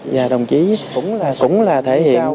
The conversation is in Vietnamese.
và đồng chí cũng là thể hiện